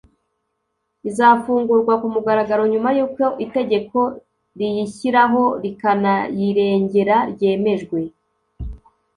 izafungurwa ku mugaragaro nyuma y’uko itegeko riyishyiraho rikanayirengera ryemejwe